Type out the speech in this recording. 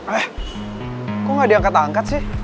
eh kok gak ada yang angkat angkat sih